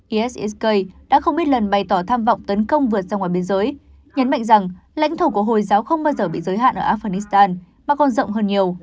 isk đã không ít lần bày tỏ tham vọng tấn công vượt ra ngoài biên giới nhấn mạnh rằng lãnh thổ của hồi giáo không bao giờ bị giới hạn ở afghanistan mà còn rộng hơn nhiều